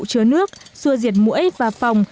chứa nước xua diệt mũi và phòng